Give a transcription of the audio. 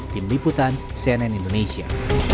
tim liputan cnn indonesia